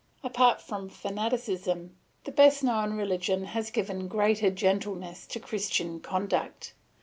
Apart from fanaticism, the best known religion has given greater gentleness to Christian conduct.